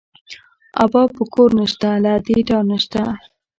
ابا په کور نه شته، له ادې ډار نه شته